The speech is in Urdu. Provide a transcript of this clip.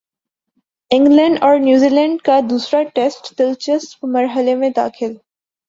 انگلینڈ اور نیوزی لینڈ کا دوسرا ٹیسٹ دلچسپ مرحلے میں داخل